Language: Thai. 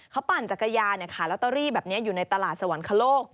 เขาปั่นจักรยานขายลอตเตอรี่แบบนี้อยู่ในตลาดสวรรคโลก